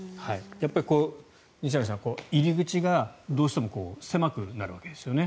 やっぱり西成さん、入り口がどうしても狭くなるわけですよね。